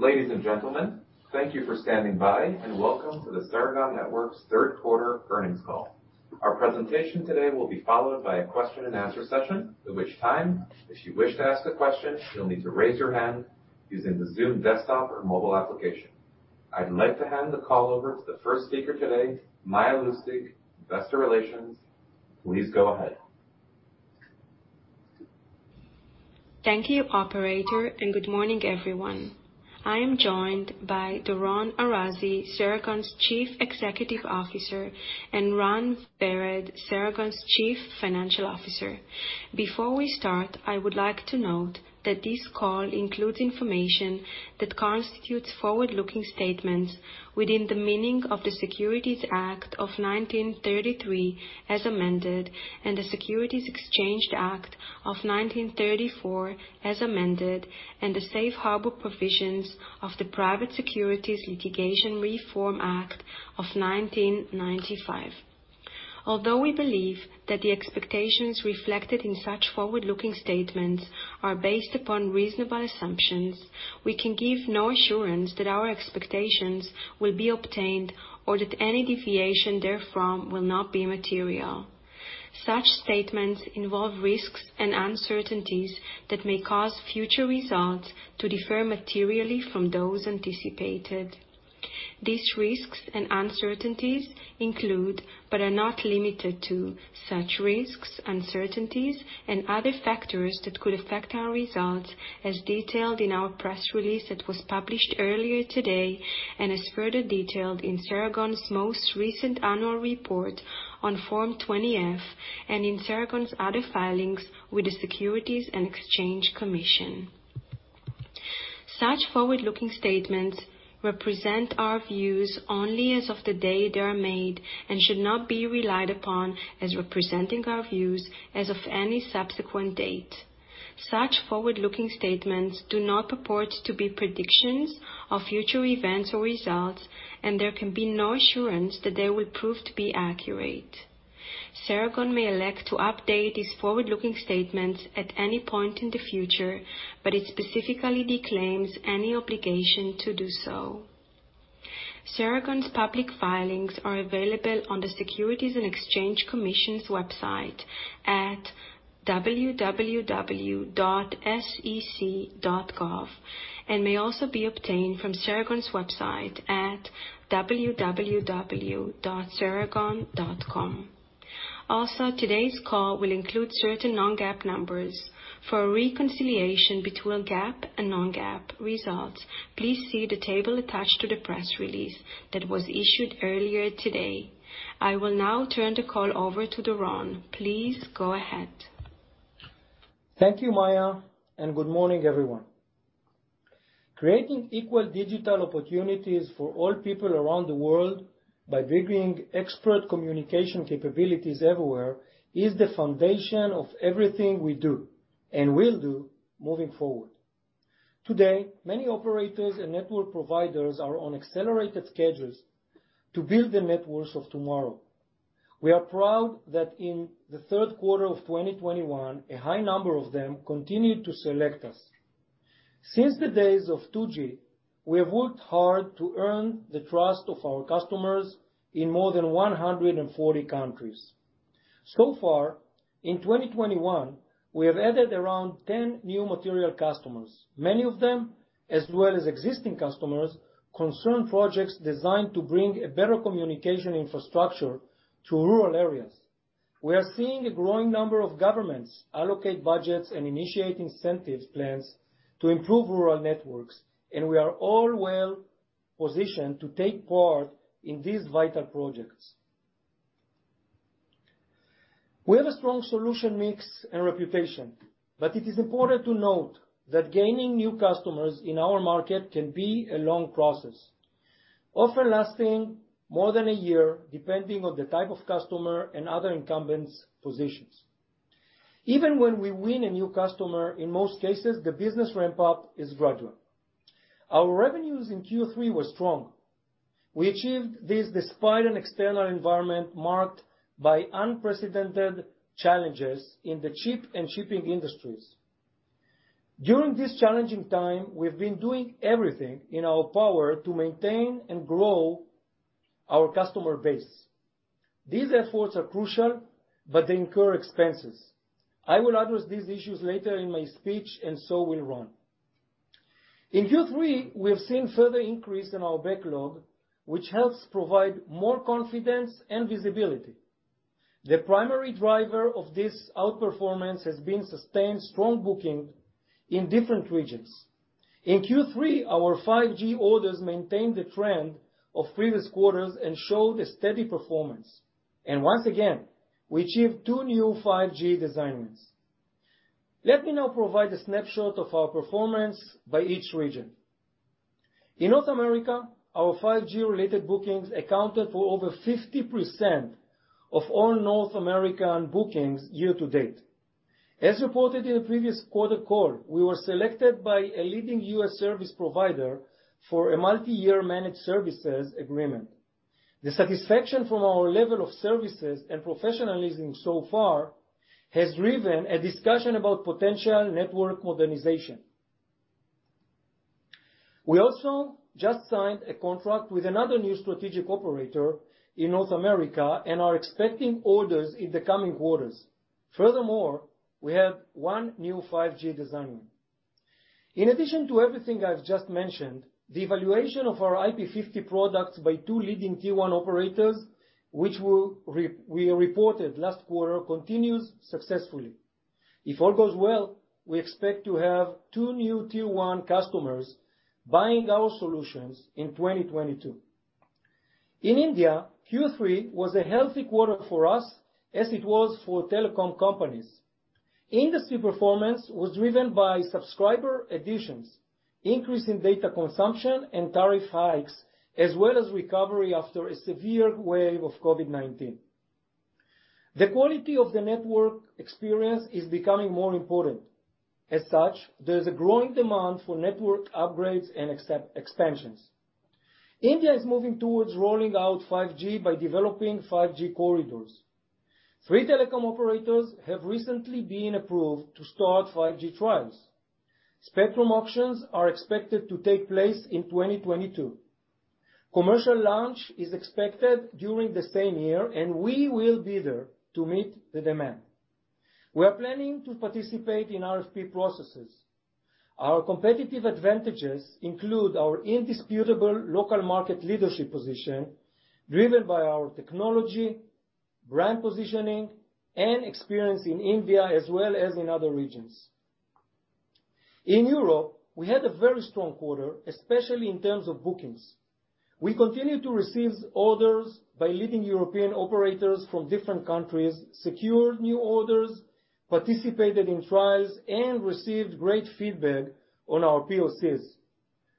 Ladies and gentlemen, thank you for standing by and welcome to the Ceragon Networks' third quarter earnings call. Our presentation today will be followed by a question and answer session, at which time, if you wish to ask a question, you'll need to raise your hand using the Zoom desktop or mobile application. I'd like to hand the call over to the first speaker today, Maya Lustig, Investor Relations. Please go ahead. Thank you operator, and good morning, everyone. I am joined by Doron Arazi, Ceragon's Chief Executive Officer, and Ran Vered, Ceragon's Chief Financial Officer. Before we start, I would like to note that this call includes information that constitutes forward-looking statements within the meaning of the Securities Act of 1933 as amended, and the Securities Exchange Act of 1934 as amended, and the SafeHarbor provisions of the Private Securities Litigation Reform Act of 1995. Although we believe that the expectations reflected in such forward-looking statements are based upon reasonable assumptions, we can give no assurance that our expectations will be obtained or that any deviation therefrom will not be material. Such statements involve risks and uncertainties that may cause future results to differ materially from those anticipated. These risks and uncertainties include, but are not limited to, such risks, uncertainties and other factors that could affect our results as detailed in our press release that was published earlier today and is further detailed in Ceragon's most recent annual report on Form 20-F and in Ceragon's other filings with the Securities and Exchange Commission. Such forward-looking statements represent our views only as of the day they are made and should not be relied upon as representing our views as of any subsequent date. Such forward-looking statements do not purport to be predictions of future events or results, and there can be no assurance that they will prove to be accurate. Ceragon may elect to update these forward-looking statements at any point in the future, but it specifically declaims any obligation to do so. Ceragon's public filings are available on the Securities and Exchange Commission's website at www.sec.gov, and may also be obtained from Ceragon's website at www.ceragon.com. Also, today's call will include certain non-GAAP numbers. For a reconciliation between GAAP and non-GAAP results, please see the table attached to the press release that was issued earlier today. I will now turn the call over to Doron. Please go ahead. Thank you, Maya, and good morning, everyone. Creating equal digital opportunities for all people around the world by bringing expert communication capabilities everywhere is the foundation of everything we do and will do moving forward. Today, many operators and network providers are on accelerated schedules to build the networks of tomorrow. We are proud that in the third quarter of 2021, a high number of them continued to select us. Since the days of 2G, we have worked hard to earn the trust of our customers in more than 140 countries. So far, in 2021, we have added around 10 new material customers. Many of them, as well as existing customers, concern projects designed to bring a better communication infrastructure to rural areas. We are seeing a growing number of governments allocate budgets and initiate incentive plans to improve rural networks, and we are all well-positioned to take part in these vital projects. We have a strong solution mix and reputation, but it is important to note that gaining new customers in our market can be a long process, often lasting more than a year, depending on the type of customer and other incumbents' positions. Even when we win a new customer, in most cases, the business ramp-up is gradual. Our revenues in Q3 were strong. We achieved this despite an external environment marked by unprecedented challenges in the chip and shipping industries. During this challenging time, we've been doing everything in our power to maintain and grow our customer base. These efforts are crucial, but they incur expenses. I will address these issues later in my speech, and so will Ran. In Q3, we have seen further increase in our backlog, which helps provide more confidence and visibility. The primary driver of this outperformance has been sustained strong booking in different regions. In Q3, our 5G orders maintained the trend of previous quarters and showed a steady performance. Once again, we achieved two new 5G design wins. Let me now provide a snapshot of our performance by each region. In North America, our 5G-related bookings accounted for over 50% of all North American bookings year to date. As reported in the previous quarter call, we were selected by a leading U.S. service provider for a multi-year managed services agreement. The satisfaction from our level of services and professionalism so far has driven a discussion about potential network modernization. We also just signed a contract with another new strategic operator in North America and are expecting orders in the coming quarters. Furthermore, we have one new 5G design. In addition to everything I've just mentioned, the evaluation of our IP-50 products by two leading tier one operators, which we reported last quarter, continues successfully. If all goes well, we expect to have two new tier one customers buying our solutions in 2022. In India, Q3 was a healthy quarter for us as it was for telecom companies. Industry performance was driven by subscriber additions, increase in data consumption, and tariff hikes, as well as recovery after a severe wave of COVID-19. The quality of the network experience is becoming more important. As such, there is a growing demand for network upgrades and expansions. India is moving towards rolling out 5G by developing 5G corridors. Three telecom operators have recently been approved to start 5G trials. Spectrum auctions are expected to take place in 2022. Commercial launch is expected during the same year, and we will be there to meet the demand. We are planning to participate in RFP processes. Our competitive advantages include our indisputable local market leadership position, driven by our technology, brand positioning, and experience in India, as well as in other regions. In Europe, we had a very strong quarter, especially in terms of bookings. We continued to receive orders by leading European operators from different countries, secured new orders, participated in trials, and received great feedback on our POCs.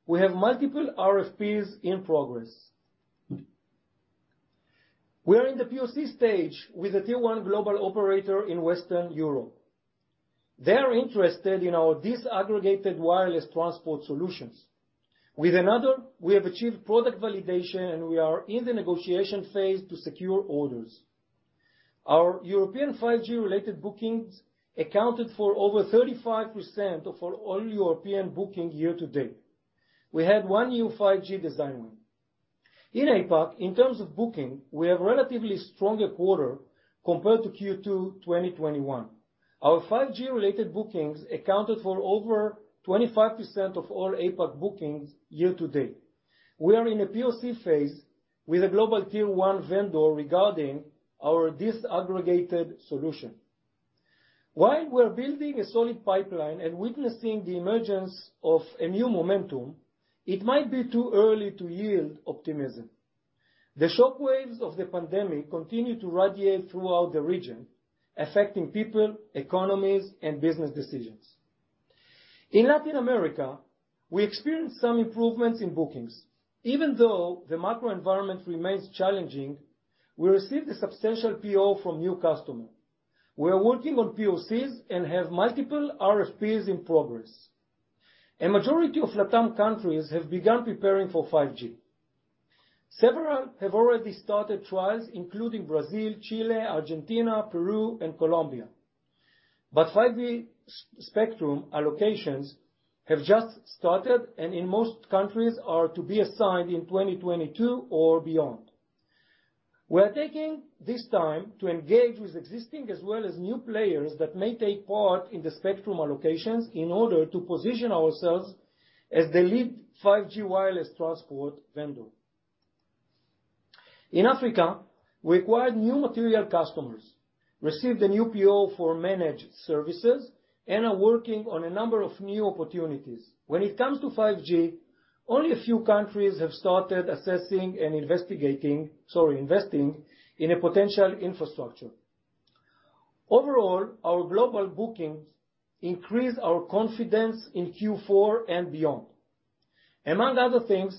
We have multiple RFPs in progress. We are in the POC stage with a tier one global operator in Western Europe. They are interested in our disaggregated wireless transport solutions. With another, we have achieved product validation, and we are in the negotiation phase to secure orders. Our European 5G-related bookings accounted for over 35% of all European bookings year to date. We had one new 5G design win. In APAC, in terms of booking, we have relatively stronger quarter compared to Q2 2021. Our 5G-related bookings accounted for over 25% of all APAC bookings year to date. We are in a POC phase with a global tier one vendor regarding our disaggregated solution. While we're building a solid pipeline and witnessing the emergence of a new momentum, it might be too early to yield optimism. The shock waves of the pandemic continue to radiate throughout the region, affecting people, economies, and business decisions. In Latin America, we experienced some improvements in bookings. Even though the macro environment remains challenging, we received a substantial PO from new customer. We are working on POCs and have multiple RFPs in progress. A majority of Latam countries have begun preparing for 5G. Several have already started trials, including Brazil, Chile, Argentina, Peru, and Colombia. 5G spectrum allocations have just started, and in most countries are to be assigned in 2022 or beyond. We are taking this time to engage with existing as well as new players that may take part in the spectrum allocations in order to position ourselves as the lead 5G wireless transport vendor. In Africa, we acquired new major customers, received a new PO for managed services, and are working on a number of new opportunities. When it comes to 5G, only a few countries have started investing in a potential infrastructure. Overall, our global bookings increase our confidence in Q4 and beyond. Among other things,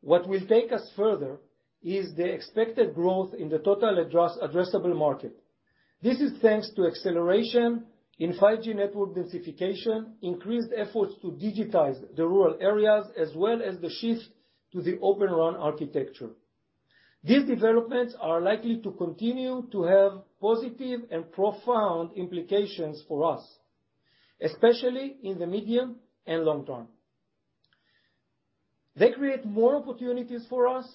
what will take us further is the expected growth in the total addressable market. This is thanks to acceleration in 5G network densification, increased efforts to digitize the rural areas, as well as the shift to the Open RAN architecture. These developments are likely to continue to have positive and profound implications for us, especially in the medium and long term. They create more opportunities for us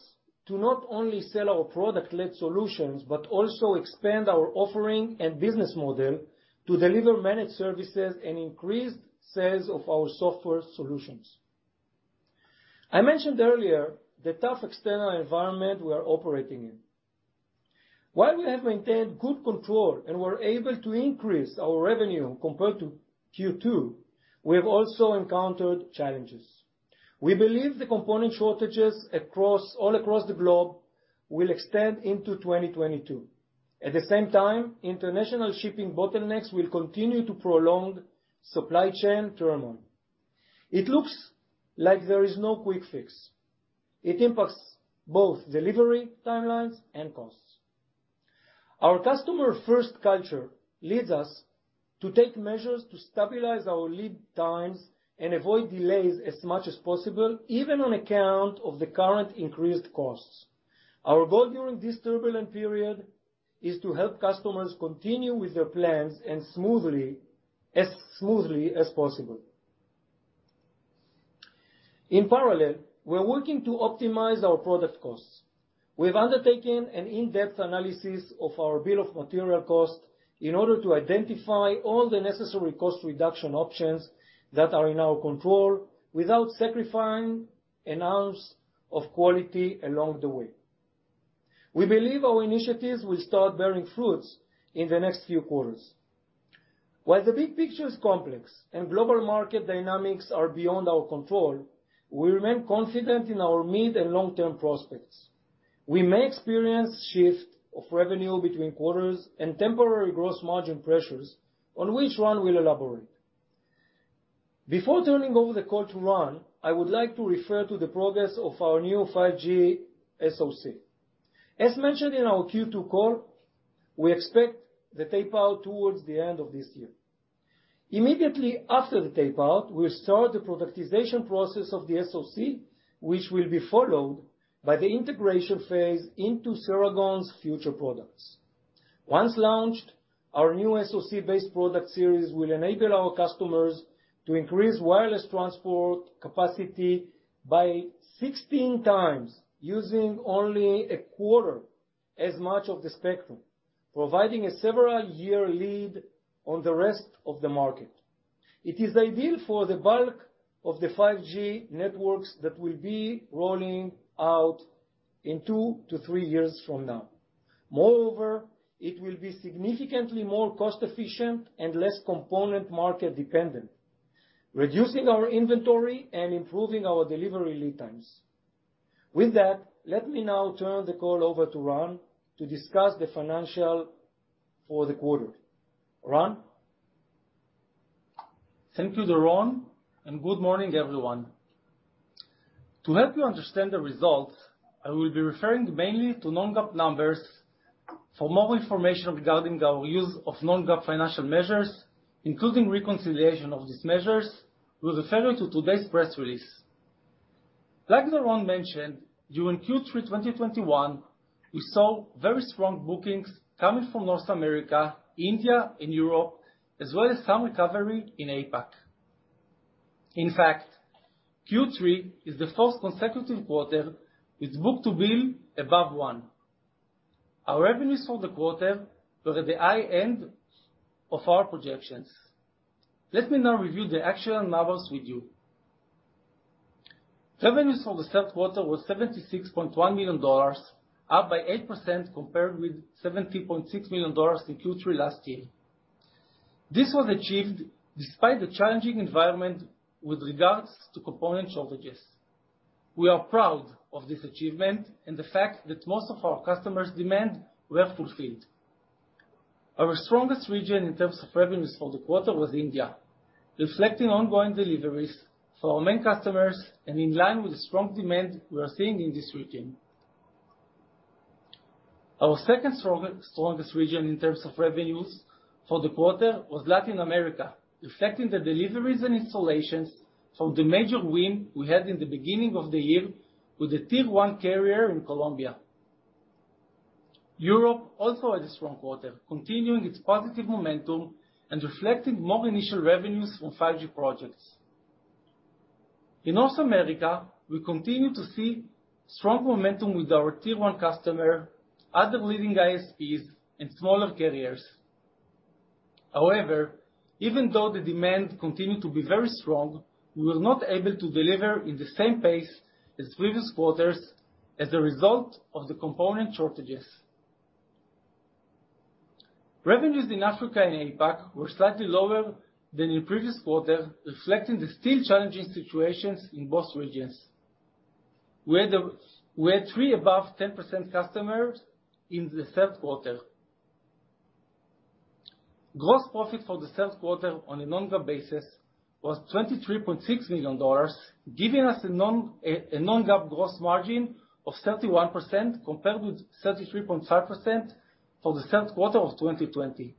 to not only sell our product-led solutions, but also expand our offering and business model to deliver managed services and increased sales of our software solutions. I mentioned earlier the tough external environment we are operating in. While we have maintained good control and we're able to increase our revenue compared to Q2, we have also encountered challenges. We believe the component shortages all across the globe will extend into 2022. At the same time, international shipping bottlenecks will continue to prolong supply chain turmoil. It looks like there is no quick fix. It impacts both delivery timelines and costs. Our customer first culture leads us to take measures to stabilize our lead times and avoid delays as much as possible, even on account of the current increased costs. Our goal during this turbulent period is to help customers continue with their plans and smoothly, as smoothly as possible. In parallel, we're working to optimize our product costs. We've undertaken an in-depth analysis of our bill of material cost in order to identify all the necessary cost reduction options that are in our control without sacrificing an ounce of quality along the way. We believe our initiatives will start bearing fruits in the next few quarters. While the big picture is complex and global market dynamics are beyond our control, we remain confident in our mid and long-term prospects. We may experience shift of revenue between quarters and temporary gross margin pressures on which Ran will elaborate. Before turning over the call to Ran, I would like to refer to the progress of our new 5G SoC. As mentioned in our Q2 call, we expect the tape-out towards the end of this year. Immediately after the tape-out, we start the productization process of the SoC, which will be followed by the integration phase into Ceragon's future products. Once launched, our new SoC-based product series will enable our customers to increase wireless transport capacity by 16 times using only a quarter as much of the spectrum, providing a several year lead on the rest of the market. It is ideal for the bulk of the 5G networks that will be rolling out in two to three years from now. Moreover, it will be significantly more cost-efficient and less component market dependent, reducing our inventory and improving our delivery lead times. With that, let me now turn the call over to Ran to discuss the financials for the quarter. Ran? Thank you, Doron, and good morning, everyone. To help you understand the results, I will be referring mainly to non-GAAP numbers. For more information regarding our use of non-GAAP financial measures, including reconciliation of these measures, we refer you to today's press release. Like Doron mentioned, during Q3 2021, we saw very strong bookings coming from North America, India and Europe, as well as some recovery in APAC. In fact, Q3 is the first consecutive quarter with book-to-bill above one. Our revenues for the quarter were at the high end of our projections. Let me now review the actual numbers with you. Revenues for the third quarter was $76.1 million, up by 8% compared with $70.6 million in Q3 last year. This was achieved despite the challenging environment with regards to component shortages. We are proud of this achievement and the fact that most of our customers' demand were fulfilled. Our strongest region in terms of revenues for the quarter was India, reflecting ongoing deliveries for our main customers and in line with the strong demand we are seeing in this region. Our second strongest region in terms of revenues for the quarter was Latin America, reflecting the deliveries and installations from the major win we had in the beginning of the year with the Tier One carrier in Colombia. Europe also had a strong quarter, continuing its positive momentum and reflecting more initial revenues from 5G projects. In North America, we continue to see strong momentum with our Tier One customer, other leading ISPs and smaller carriers. However, even though the demand continued to be very strong, we were not able to deliver in the same pace as previous quarters as a result of the component shortages. Revenues in Africa and APAC were slightly lower than in previous quarters, reflecting the still challenging situations in both regions. We had three above 10% customers in the third quarter. Gross profit for the third quarter on a non-GAAP basis was $23.6 million, giving us a non-GAAP gross margin of 31% compared with 33.5% for the third quarter of 2020.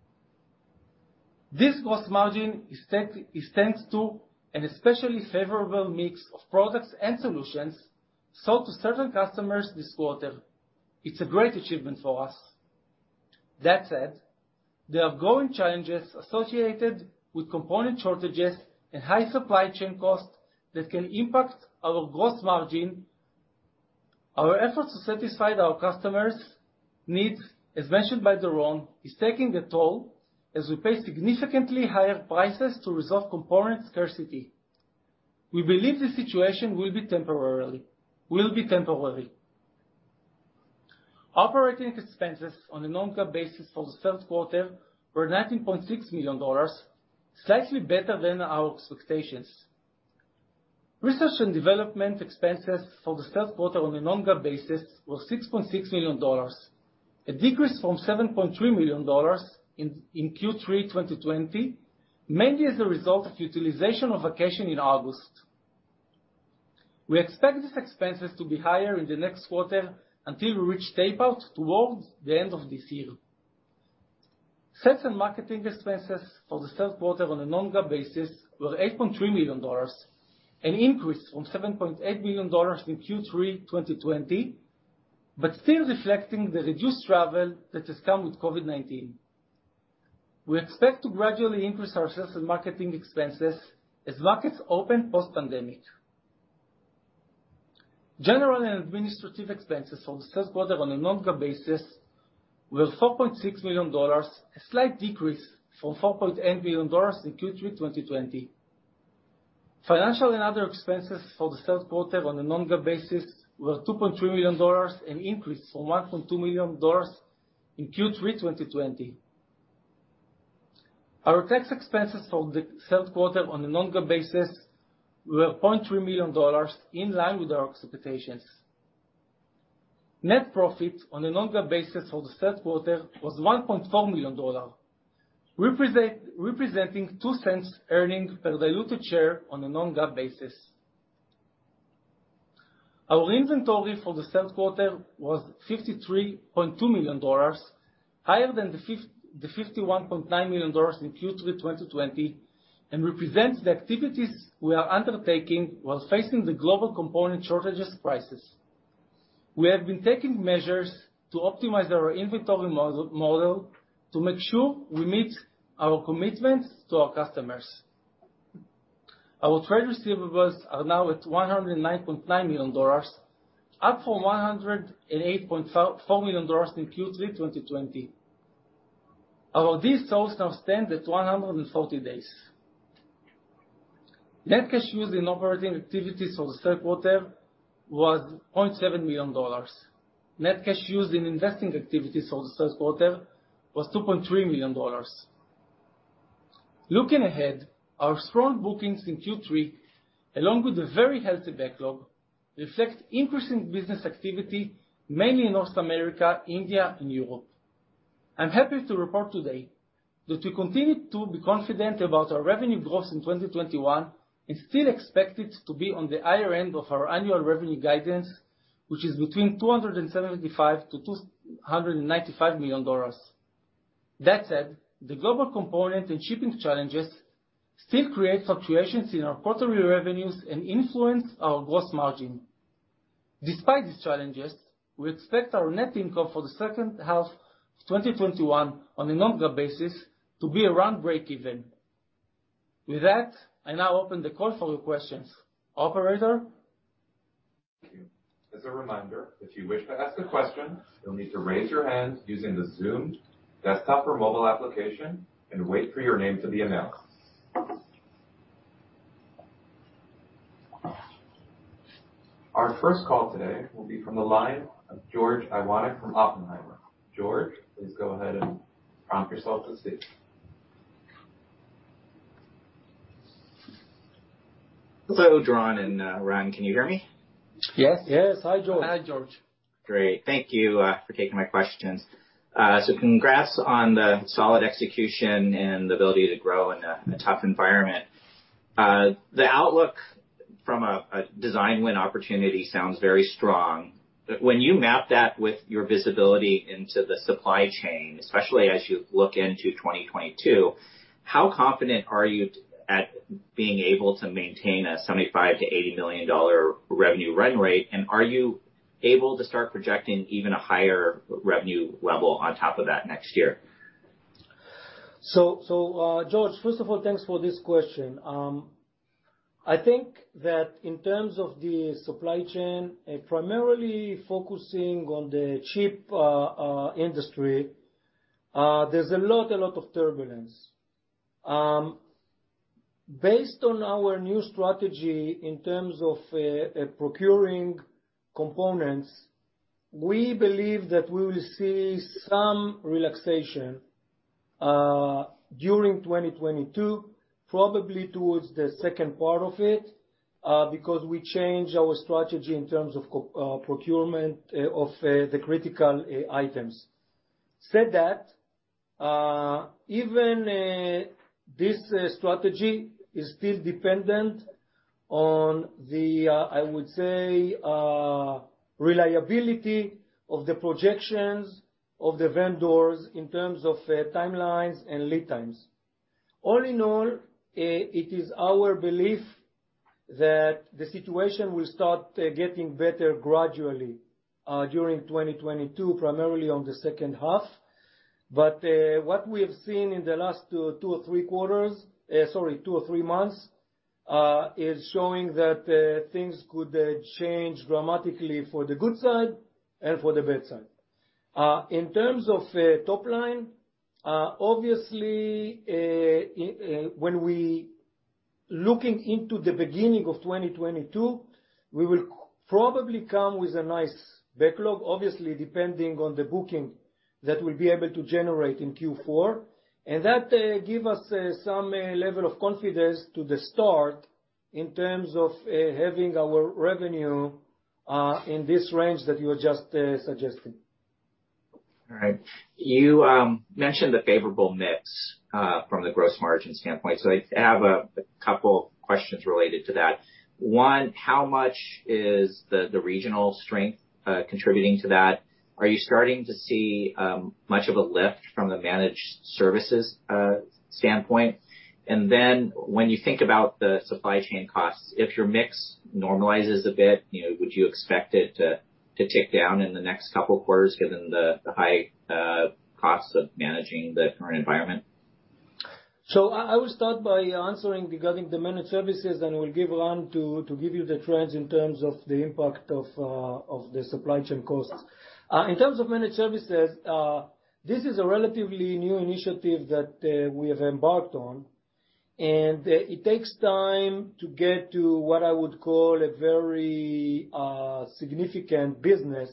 This gross margin is thanks to an especially favorable mix of products and solutions sold to certain customers this quarter. It's a great achievement for us. That said, there are growing challenges associated with component shortages and high supply chain costs that can impact our gross margin. Our efforts to satisfy our customers' needs, as mentioned by Doron, is taking a toll as we pay significantly higher prices to resolve component scarcity. We believe the situation will be temporary. Operating expenses on a non-GAAP basis for the third quarter were $19.6 million, slightly better than our expectations. Research and development expenses for the third quarter on a non-GAAP basis was $6.6 million, a decrease from $7.3 million in Q3 2020, mainly as a result of utilization of vacation in August. We expect these expenses to be higher in the next quarter until we reach tape-out towards the end of this year. Sales and marketing expenses for the third quarter on a non-GAAP basis were $8.3 million, an increase from $7.8 million in Q3 2020, but still reflecting the reduced travel that has come with COVID-19. We expect to gradually increase our sales and marketing expenses as markets open post-pandemic. General and administrative expenses for the third quarter on a non-GAAP basis were $4.6 million, a slight decrease from $4.8 million in Q3 2020. Financial and other expenses for the third quarter on a non-GAAP basis were $2.3 million, an increase from $1.2 million in Q3 2020. Our tax expenses for the third quarter on a non-GAAP basis were $0.3 million, in line with our expectations. Net profit on a non-GAAP basis for the third quarter was $1.4 million, representing $0.02 earnings per diluted share on a non-GAAP basis. Our inventory for the third quarter was $53.2 million, higher than the $51.9 million in Q3 2020, and represents the activities we are undertaking while facing the global component shortages prices. We have been taking measures to optimize our inventory model to make sure we meet our commitments to our customers. Our trade receivables are now at $109.9 million, up from $108.4 million in Q3 2020. Our days sales now stand at 140 days. Net cash used in operating activities for the third quarter was $0.7 million. Net cash used in investing activities for the third quarter was $2.3 million. Looking ahead, our strong bookings in Q3, along with a very healthy backlog, reflect increasing business activity mainly in North America, India and Europe. I'm happy to report today that we continue to be confident about our revenue growth in 2021 and still expect it to be on the higher end of our annual revenue guidance, which is between $275 million-$295 million. That said, the global component and shipping challenges still create fluctuations in our quarterly revenues and influence our gross margin. Despite these challenges, we expect our net income for the second half of 2021 on a non-GAAP basis to be around breakeven. With that, I now open the call for your questions. Operator? Thank you. As a reminder, if you wish to ask a question, you'll need to raise your hand using the Zoom desktop or mobile application and wait for your name to be announced. Our first call today will be from the line of George Iwanyc from Oppenheimer. George, please go ahead and prompt yourself to speak. Hello, Doron and Ran. Can you hear me? Yes. Yes. Hi, George. Hi, George. Great. Thank you for taking my questions. Congrats on the solid execution and the ability to grow in a tough environment. The outlook from a design win opportunity sounds very strong, but when you map that with your visibility into the supply chain, especially as you look into 2022, how confident are you at being able to maintain a $75 million-$80 million revenue run rate? Are you able to start projecting even a higher revenue level on top of that next year? George Iwanyc, first of all, thanks for this question. I think that in terms of the supply chain and primarily focusing on the chip industry, there's a lot of turbulence. Based on our new strategy in terms of procuring components, we believe that we will see some relaxation during 2022, probably towards the second part of it, because we changed our strategy in terms of procurement of the critical items. That said, even this strategy is still dependent on the, I would say, reliability of the projections of the vendors in terms of timelines and lead times. All in all, it is our belief that the situation will start getting better gradually during 2022, primarily on the second half. What we have seen in the last two or three months is showing that things could change dramatically for the good side and for the bad side. In terms of top line, obviously, when we looking into the beginning of 2022, we will probably come with a nice backlog, obviously depending on the booking that we'll be able to generate in Q4, and that give us some level of confidence to the start in terms of having our revenue in this range that you were just suggesting. All right. You mentioned the favorable mix from the gross margin standpoint, so I have a couple questions related to that. One, how much is the regional strength contributing to that? Are you starting to see much of a lift from the managed services standpoint? When you think about the supply chain costs, if your mix normalizes a bit, you know, would you expect it to tick down in the next couple quarters given the high costs of managing the current environment? I will start by answering regarding the managed services, and I will give Ran to give you the trends in terms of the impact of the supply chain costs. In terms of managed services, this is a relatively new initiative that we have embarked on, and it takes time to get to what I would call a very significant business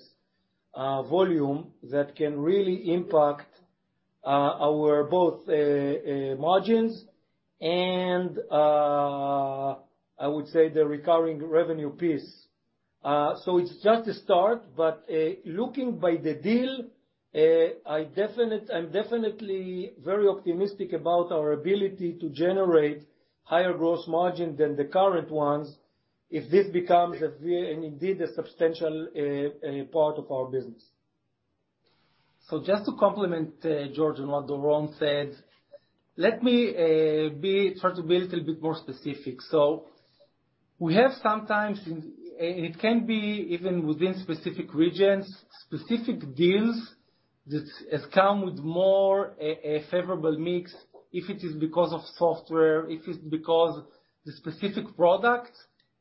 volume that can really impact our both margins and I would say the recurring revenue piece. It's just a start, but looking by the deal, I'm definitely very optimistic about our ability to generate higher gross margin than the current ones if this becomes indeed a substantial part of our business. Just to complement, George, on what Doron said, let me try to be a little bit more specific. We have sometimes, and it can be even within specific regions, specific deals that has come with more a favorable mix, if it is because of software, if it's because the specific product,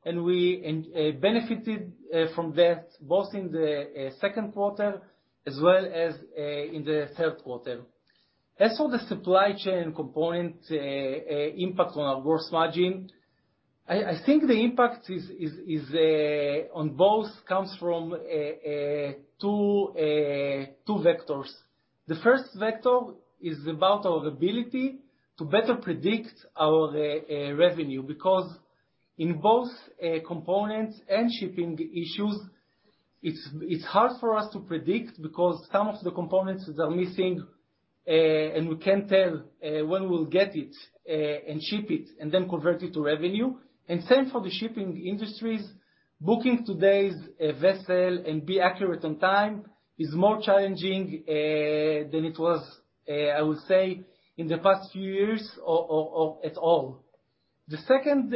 and we benefited from that, both in the second quarter as well as in the third quarter. As for the supply chain component impact on our gross margin, I think the impact is on both comes from two vectors. The first vector is about our ability to better predict our revenue, because in both components and shipping issues, it's hard for us to predict because some of the components are missing and we can't tell when we'll get it and ship it and then convert it to revenue. Same for the shipping industries. Booking today's vessel and be accurate on time is more challenging than it was, I would say in the past few years or at all. The second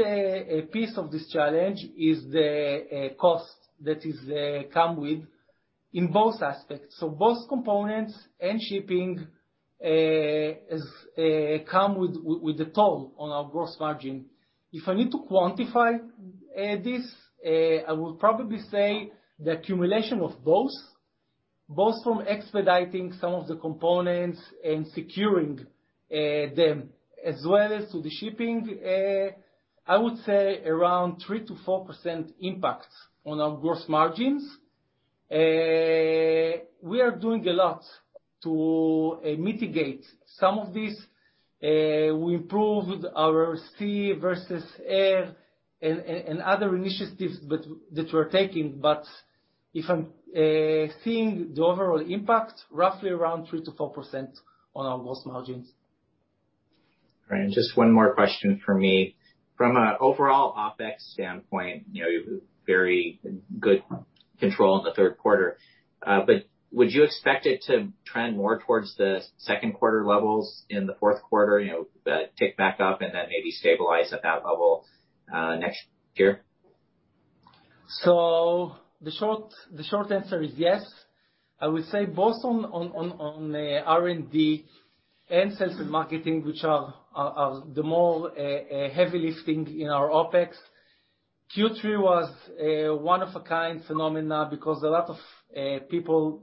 piece of this challenge is the cost that is come with in both aspects. Both components and shipping is come with a toll on our gross margin. If I need to quantify this, I will probably say the accumulation of both from expediting some of the components and securing them as well as to the shipping, I would say around 3%-4% impact on our gross margins. We are doing a lot to mitigate some of this. We improved our sea versus air and other initiatives that we're taking. If I'm seeing the overall impact, roughly around 3%-4% on our gross margins. Right. Just one more question from me. From an overall OpEx standpoint, you know, very good control in the third quarter. But would you expect it to trend more towards the second quarter levels in the fourth quarter? You know, the tick back up and then maybe stabilize at that level, next year? The short answer is yes. I would say both on R&D and sales and marketing, which are the more heavy lifting in our OpEx. Q3 was a one-of-a-kind phenomenon because a lot of people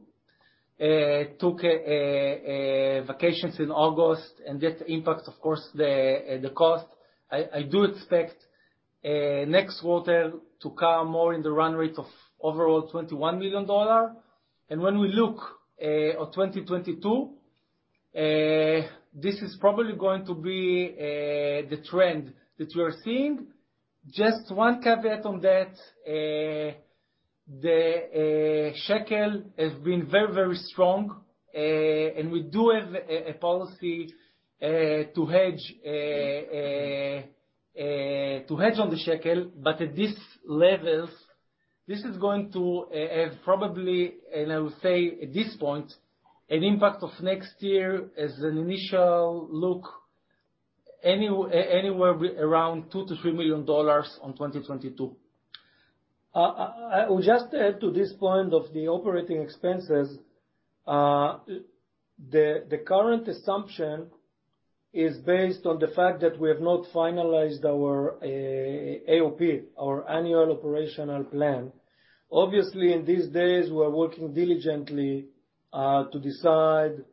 took vacations in August, and that impacts, of course, the cost. I do expect next quarter to come more in the run rate of overall $21 million. When we look on 2022, this is probably going to be the trend that we are seeing. Just one caveat on that. The shekel has been very, very strong, and we do have a policy to hedge on the shekel, but at this levels, this is going to have probably, and I would say at this point, an impact of next year as an initial look anywhere around $2 million-$3 million on 2022. I will just add to this point of the operating expenses. The current assumption is based on the fact that we have not finalized our AOP, our annual operational plan. Obviously, in these days, we're working diligently to decide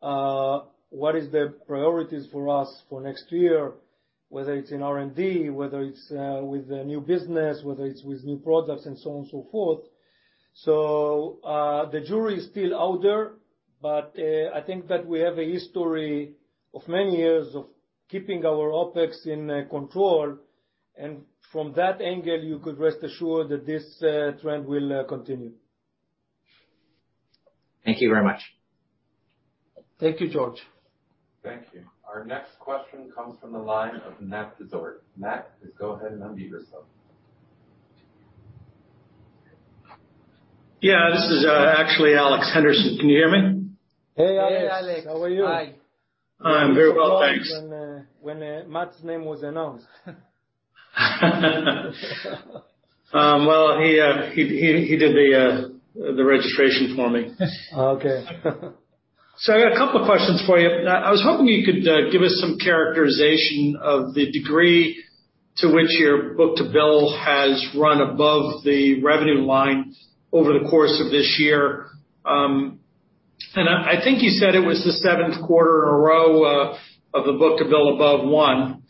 what is the priorities for us for next year, whether it's in R&D, whether it's with the new business, whether it's with new products and so on and so forth. The jury is still out there, but I think that we have a history of many years of keeping our OpEx in control. From that angle, you could rest assured that this trend will continue. Thank you very much. Thank you, George. Thank you. Our next question comes from the line of Matt Dezort. Matt, please go ahead and unmute yourself. Yeah. This is, actually Alex Henderson. Can you hear me? Hey, Alex. Hey, Alex. How are you? Hi. I'm very well, thanks. Surprised when Matt's name was announced. Well, he did the registration for me. Okay. I got a couple of questions for you. I was hoping you could give us some characterization of the degree to which your book-to-bill has run above the revenue line over the course of this year. I think you said it was the seventh quarter in a row of the book-to-bill above 1.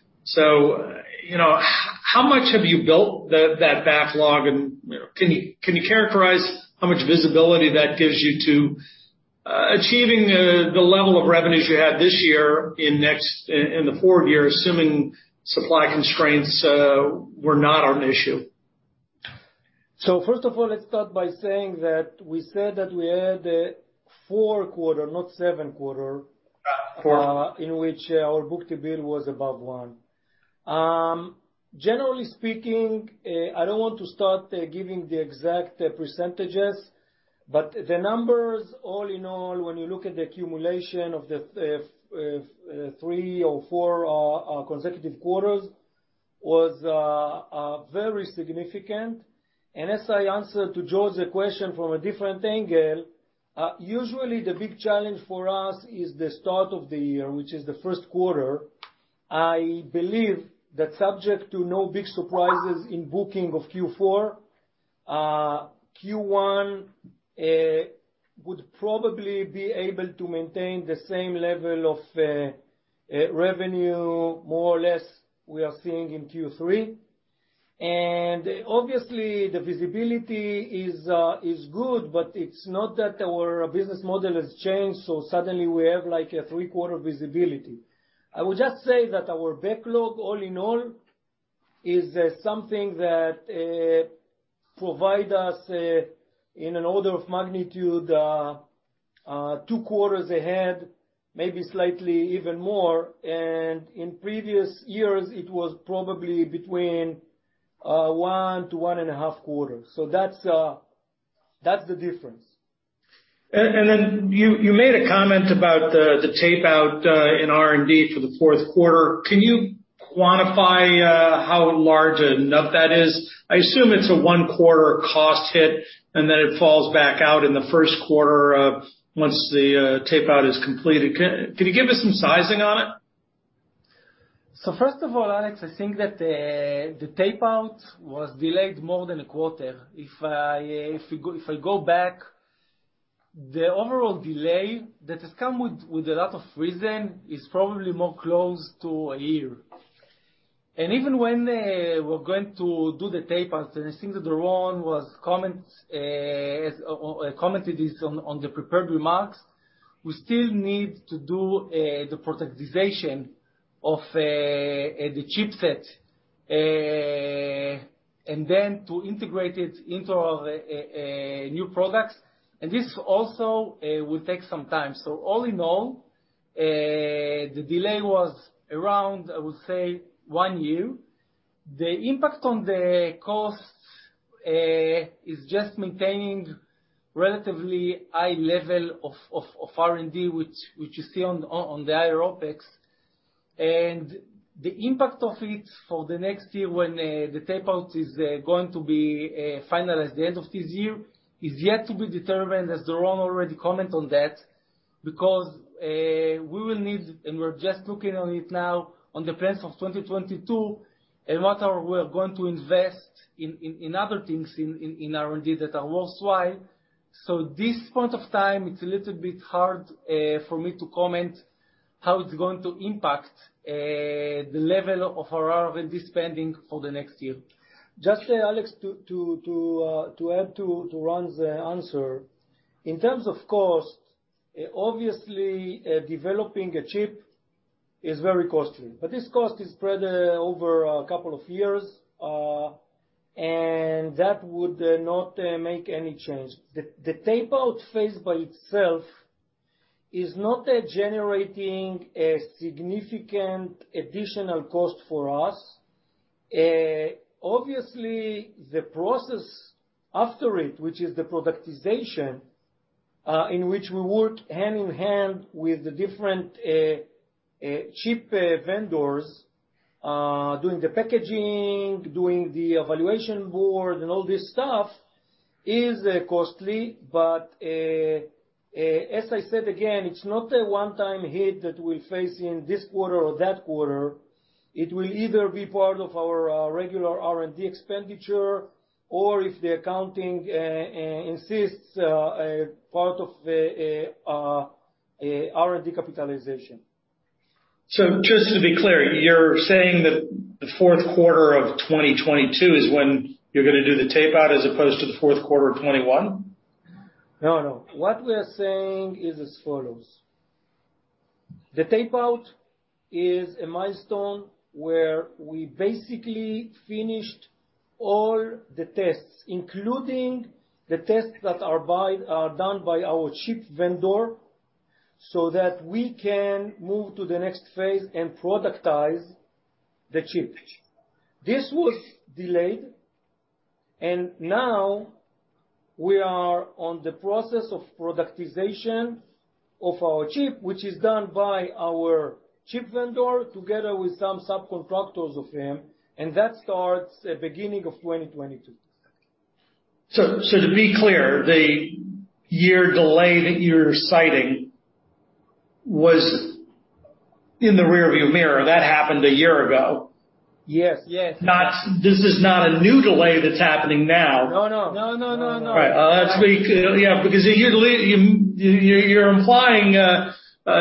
You know, how much have you built that backlog, and can you characterize how much visibility that gives you to achieving the level of revenues you had this year in the forward year, assuming supply constraints were not an issue? First of all, let's start by saying that we said that we had four quarters, not seven quarters in which our book-to-bill was above one. Generally speaking, I don't want to start giving the exact percentages, but the numbers all in all, when you look at the accumulation of the three or four consecutive quarters, was very significant. As I answered to George's question from a different angle, usually the big challenge for us is the start of the year, which is the first quarter. I believe that subject to no big surprises in booking of Q4, Q1 would probably be able to maintain the same level of revenue, more or less, we are seeing in Q3. Obviously, the visibility is good, but it's not that our business model has changed, so suddenly we have, like, a three-quarter visibility. I would just say that our backlog all in all is something that provide us in an order of magnitude 2 quarters ahead, maybe slightly even more. In previous years, it was probably between 1 to 1 and a half quarters. That's the difference. Then you made a comment about the tape-out in R&D for the fourth quarter. Can you quantify how large a nut that is? I assume it's a one-quarter cost hit, and then it falls back out in the first quarter once the tape-out is completed. Can you give us some sizing on it? First of all, Alex, I think that the tape-out was delayed more than a quarter. If I go back, the overall delay that has come with a lot of reason is probably closer to a year. Even when we're going to do the tape-out, and I think that Doron commented this on the prepared remarks, we still need to do the prototyping of the chipset and then to integrate it into our new products. This also will take some time. All in all, the delay was around, I would say, one year. The impact on the costs is just maintaining relatively high level of R&D, which you see on the higher OpEx. The impact of it for the next year when the tape-out is going to be finalized at the end of this year is yet to be determined, as Doron already comment on that, because we will need, and we're just looking on it now on the plans of 2022, and what we are going to invest in other things in R&D that are worthwhile. This point of time, it's a little bit hard for me to comment how it's going to impact the level of our R&D spending for the next year. Just, Alex, to add to Ran's answer. In terms of cost, obviously, developing a chip is very costly. This cost is spread over a couple of years, and that would not make any change. The tape-out phase by itself is not generating a significant additional cost for us. Obviously, the process after it, which is the productization, in which we work hand-in-hand with the different chip vendors, doing the packaging, doing the evaluation board and all this stuff is costly, but as I said again, it's not a one-time hit that we'll face in this quarter or that quarter. It will either be part of our regular R&D expenditure or if the accounting insists, part of the R&D capitalization. Just to be clear, you're saying that the fourth quarter of 2022 is when you're gonna do the tape-out as opposed to the fourth quarter of 2021? No, no. What we are saying is as follows. The tape-out is a milestone where we basically finished all the tests, including the tests that are done by our chip vendor, so that we can move to the next phase and productize the chip. This was delayed, and now we are on the process of productization of our chip, which is done by our chip vendor together with some subcontractors of him, and that starts at beginning of 2022. To be clear, the year delay that you're citing was in the rearview mirror. That happened a year ago. Yes. Yes. This is not a new delay that's happening now. No. All right. Yeah, because you're implying a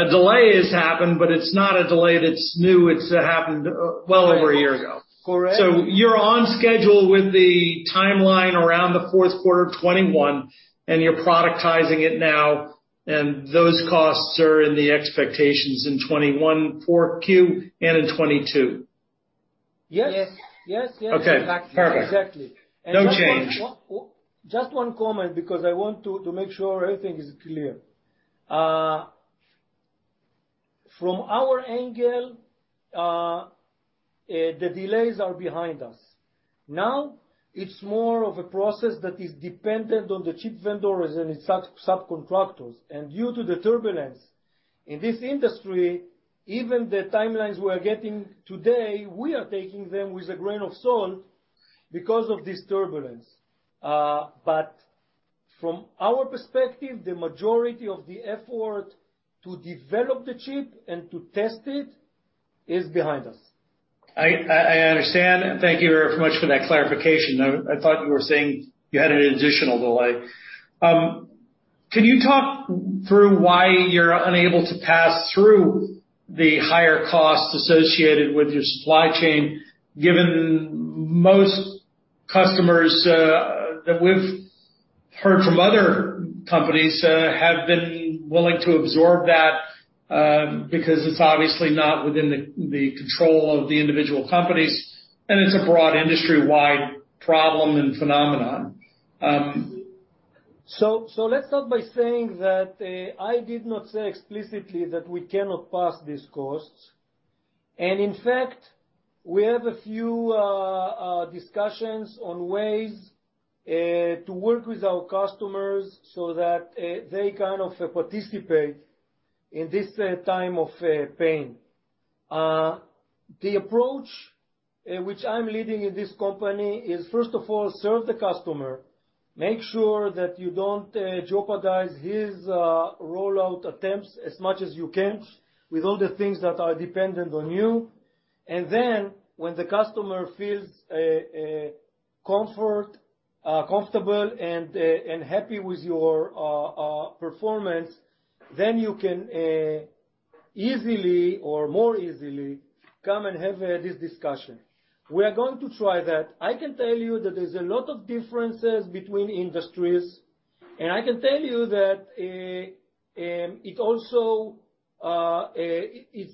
delay has happened, but it's not a delay that's new, it's happened well over a year ago. Correct. You're on schedule with the timeline around the fourth quarter of 2021, and you're productizing it now, and those costs are in the expectations in 2021, Q4 and in 2022. Yes. Yes. Yes, yes. Okay. Exactly. Perfect. Exactly. No change. Just one comment because I want to make sure everything is clear. From our angle, the delays are behind us. Now, it's more of a process that is dependent on the chip vendor as in its sub-subcontractors. Due to the turbulence in this industry, even the timelines we are getting today, we are taking them with a grain of salt because of this turbulence. But from our perspective, the majority of the effort to develop the chip and to test it is behind us. I understand. Thank you very much for that clarification. I thought you were saying you had an additional delay. Can you talk through why you're unable to pass through the higher costs associated with your supply chain, given most customers that we've heard from other companies have been willing to absorb that, because it's obviously not within the control of the individual companies, and it's a broad industry-wide problem and phenomenon. Let's start by saying that I did not say explicitly that we cannot pass these costs. In fact, we have a few discussions on ways to work with our customers so that they kind of participate in this time of pain. The approach which I'm leading in this company is, first of all, serve the customer, make sure that you don't jeopardize his rollout attempts as much as you can with all the things that are dependent on you. Then when the customer feels comfortable and happy with your performance, then you can easily or more easily come and have this discussion. We are going to try that. I can tell you that there's a lot of differences between industries. I can tell you that it's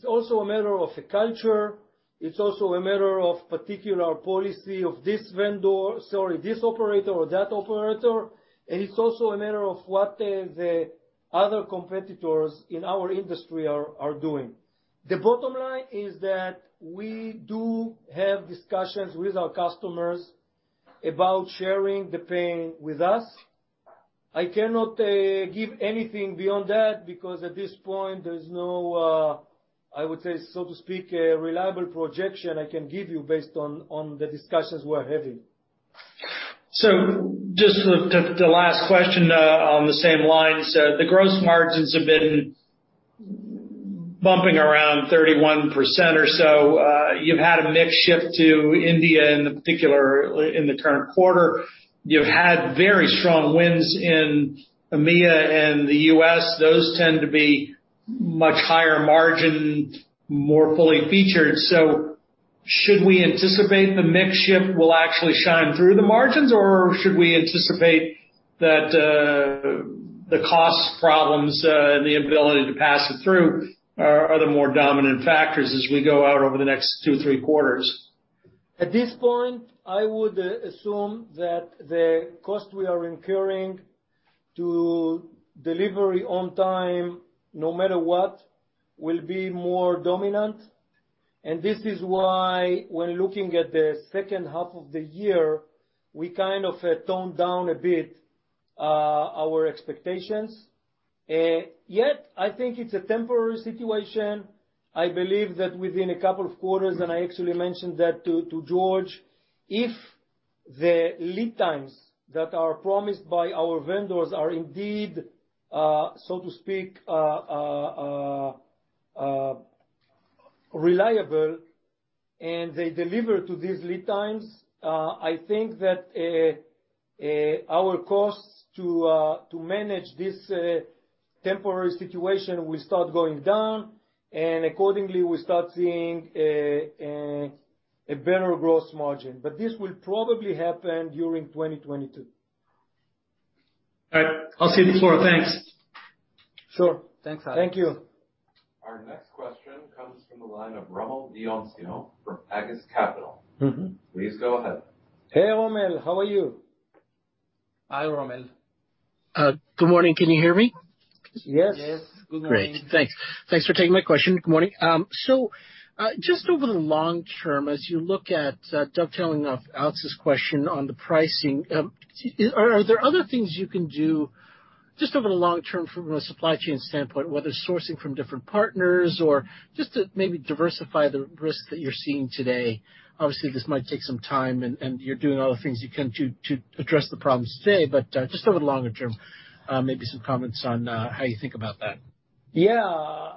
also a matter of culture. It's also a matter of particular policy of this vendor, sorry, this operator or that operator, and it's also a matter of what the other competitors in our industry are doing. The bottom line is that we do have discussions with our customers about sharing the pain with us. I cannot give anything beyond that because at this point, there's no, I would say, so to speak, a reliable projection I can give you based on the discussions we're having. Just the last question on the same lines. The gross margins have been bumping around 31% or so. You've had a mix shift to India in particular in the current quarter. You've had very strong wins in EMEA and the U.S. Those tend to be much higher margin, more fully featured. Should we anticipate the mix shift will actually shine through the margins, or should we anticipate that the cost problems and the ability to pass it through are the more dominant factors as we go out over the next 2 or 3 quarters? At this point, I would assume that the cost we are incurring to deliver on time, no matter what, will be more dominant. This is why when looking at the second half of the year, we kind of toned down a bit our expectations. Yet, I think it's a temporary situation. I believe that within a couple of quarters, and I actually mentioned that to George, if the lead times that are promised by our vendors are indeed so to speak reliable and they deliver to these lead times, I think that our costs to manage this temporary situation will start going down, and accordingly, we start seeing a better gross margin. This will probably happen during 2022. All right, I'll see you tomorrow. Thanks. Sure. Thanks, Alex. Thank you. Our next question comes from the line of Rommel Dionisio from Aegis Capital. Mm-hmm. Please go ahead. Hey, Rommel. How are you? Hi, Rommel. Good morning. Can you hear me? Yes. Yes. Good morning. Great. Thanks. Thanks for taking my question. Good morning. So, just over the long term, as you look at dovetailing off Alex's question on the pricing, are there other things you can do just over the long term from a supply chain standpoint, whether sourcing from different partners or just to maybe diversify the risks that you're seeing today? Obviously, this might take some time, and you're doing all the things you can to address the problems today, but just over the longer term, maybe some comments on how you think about that.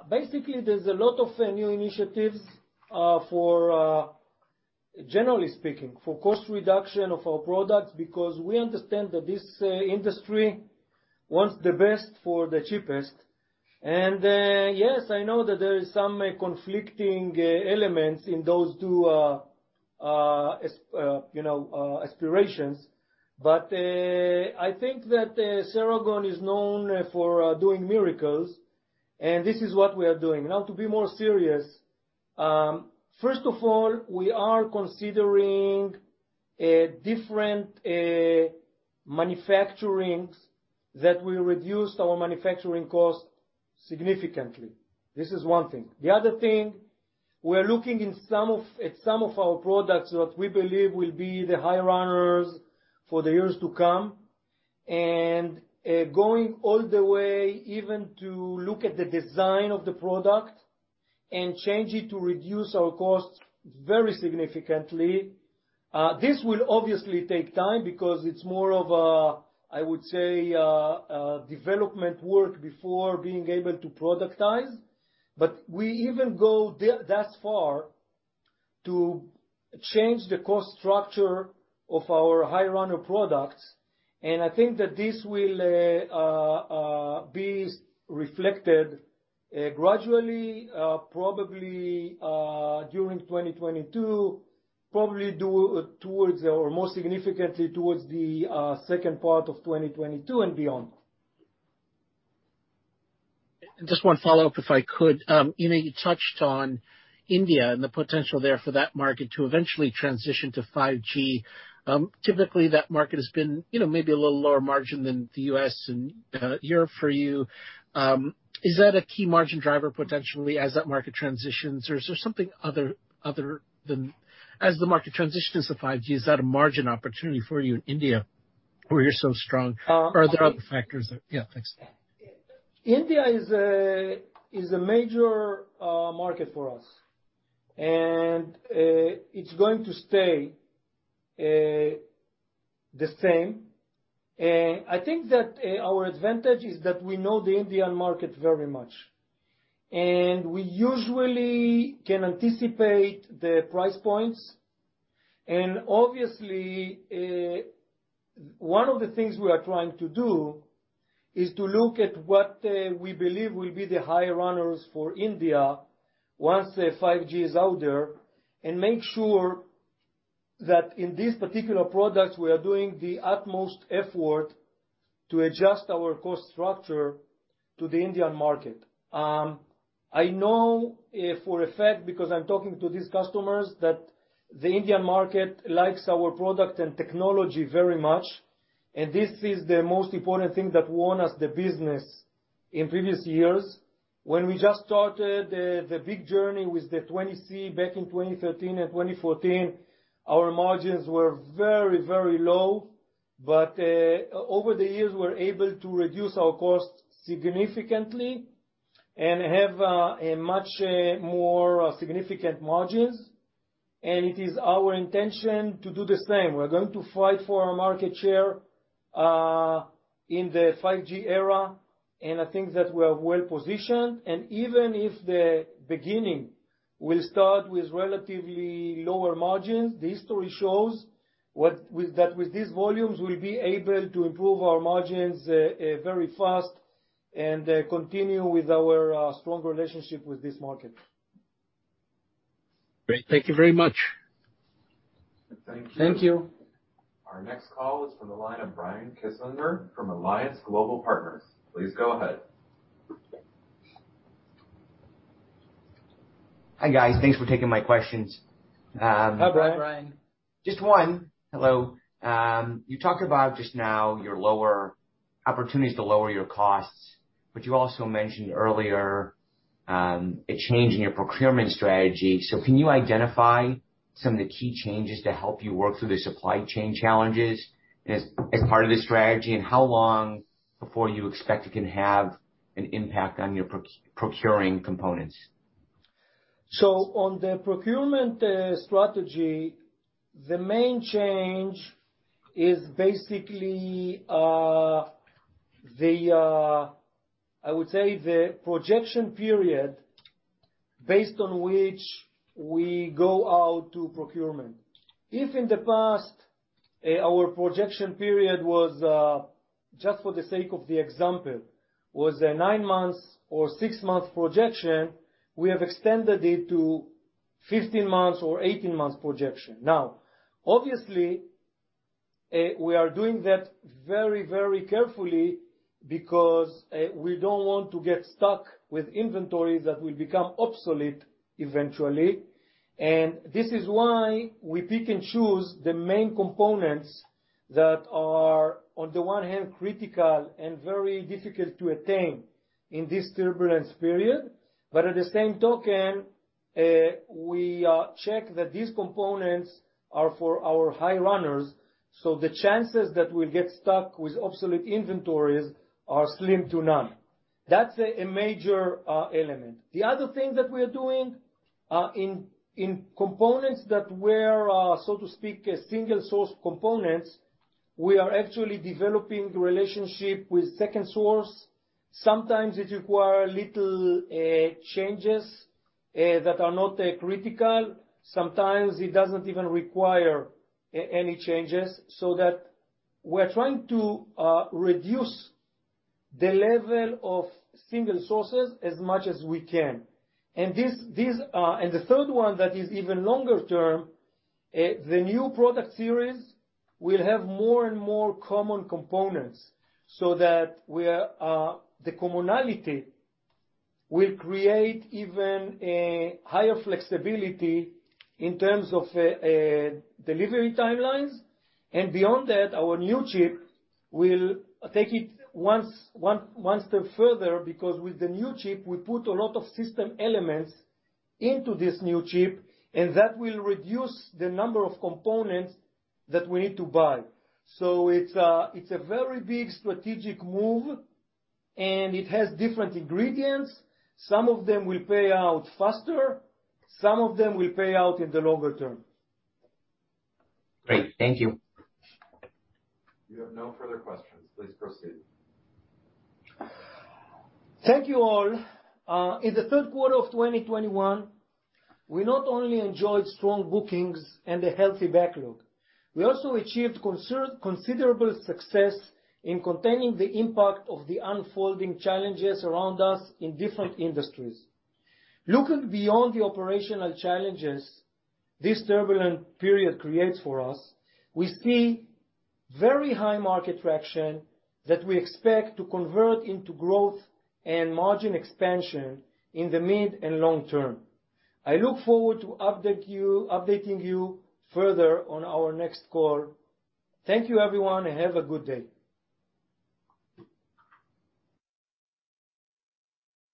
Basically, there's a lot of new initiatives for, generally speaking, for cost reduction of our products because we understand that this industry wants the best for the cheapest. Yes, I know that there is some conflicting elements in those two you know aspirations. I think that Ceragon is known for doing miracles, and this is what we are doing. Now, to be more serious, first of all, we are considering a different manufacturing that will reduce our manufacturing cost significantly. This is one thing. The other thing, we're looking at some of our products that we believe will be the high runners for the years to come, and going all the way even to look at the design of the product and change it to reduce our costs very significantly. This will obviously take time because it's more of a development work before being able to productize. We even go thus far to change the cost structure of our high runner products. I think that this will be reflected gradually, probably during 2022, probably due towards or more significantly towards the second part of 2022 and beyond. Just one follow-up, if I could. You know, you touched on India and the potential there for that market to eventually transition to 5G. Typically, that market has been, you know, maybe a little lower margin than the U.S. and Europe for you. Is that a key margin driver potentially as that market transitions. As the market transitions to 5G, is that a margin opportunity for you in India, where you're so strong? Or are there other factors. Yeah. Thanks. India is a major market for us, and it's going to stay the same. I think that our advantage is that we know the Indian market very much, and we usually can anticipate the price points. Obviously, one of the things we are trying to do is to look at what we believe will be the high runners for India once the 5G is out there and make sure that in these particular products, we are doing the utmost effort to adjust our cost structure to the Indian market. I know for a fact, because I'm talking to these customers, that the Indian market likes our product and technology very much, and this is the most important thing that won us the business in previous years. When we just started the big journey with the IP-20C back in 2013 and 2014, our margins were very, very low. Over the years, we're able to reduce our costs significantly and have a much more significant margins. It is our intention to do the same. We're going to fight for our market share in the 5G era, and I think that we are well-positioned. Even if the beginning will start with relatively lower margins, the history shows that with these volumes, we'll be able to improve our margins very fast and continue with our strong relationship with this market. Great. Thank you very much. Thank you. Our next call is from the line of Brian Kinstlinger from Alliance Global Partners. Please go ahead. Hi, guys. Thanks for taking my questions. Hi, Brian. Hi, Brian. Just one. Hello. You talked about just now your opportunities to lower your costs, but you also mentioned earlier a change in your procurement strategy. Can you identify some of the key changes to help you work through the supply chain challenges as part of this strategy, and how long before you expect it can have an impact on your procuring components? On the procurement strategy, the main change is basically the projection period based on which we go out to procurement. If in the past, our projection period was just for the sake of the example, a 9-month or 6-month projection, we have extended it to 15 months or 18 months projection. Now, obviously, we are doing that very, very carefully because we don't want to get stuck with inventories that will become obsolete eventually. This is why we pick and choose the main components that are, on the one hand, critical and very difficult to attain in this turbulence period. But at the same time, we check that these components are for our high runners, so the chances that we'll get stuck with obsolete inventories are slim to none. That's a major element. The other thing that we are doing in components that were so to speak single source components, we are actually developing relationship with second source. Sometimes it require little changes that are not critical. Sometimes it doesn't even require any changes. So that we're trying to reduce the level of single sources as much as we can. This and the third one that is even longer term, the new product series will have more and more common components so that the commonality will create even a higher flexibility in terms of delivery timelines. Beyond that, our new chip will take it one step further, because with the new chip, we put a lot of system elements into this new chip, and that will reduce the number of components that we need to buy. It's a very big strategic move, and it has different ingredients. Some of them will pay out faster, some of them will pay out in the longer term. Great. Thank you. We have no further questions. Please proceed. Thank you all. In the third quarter of 2021, we not only enjoyed strong bookings and a healthy backlog, we also achieved considerable success in containing the impact of the unfolding challenges around us in different industries. Looking beyond the operational challenges this turbulent period creates for us, we see very high market traction that we expect to convert into growth and margin expansion in the mid and long term. I look forward to updating you further on our next call. Thank you everyone, and have a good day.